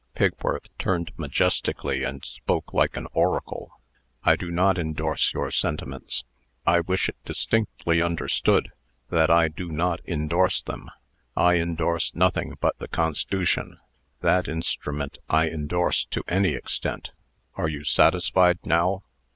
Pigworth turned majestically, and spoke like an oracle: "I do not indorse your sentiments. I wish it distinctly understood, that I do not indorse them. I indorse nothing but the Cons'tution. That instrument I indorse to any extent. Are you satisfied now?"